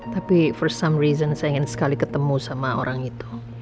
tapi first some reason saya ingin sekali ketemu sama orang itu